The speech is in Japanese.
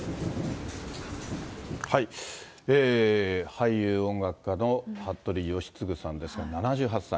俳優、音楽家の服部吉次さんですが、７８歳。